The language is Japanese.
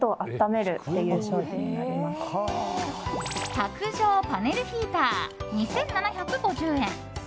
卓上パネルヒーター２７５０円。